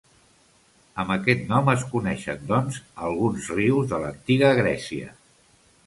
Amb aquest nom es coneixen, doncs, alguns rius de l'antiga Grècia.